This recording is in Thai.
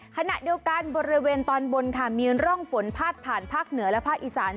ขณะเดียวกันบริเวณตอนบนค่ะมีร่องฝนพาดผ่านภาคเหนือและภาคอีสาน